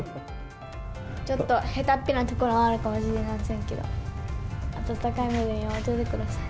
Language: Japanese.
ちょっとへたっぴなところもあるかもしれませんけど、温かい目で見守っててください。